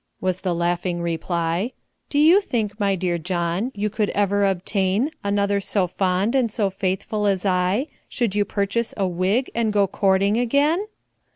was the laughing reply; "Do you think, my dear John, you could ever obtain Another so fond and so faithful as I, Should you purchase a wig, and go courting again?"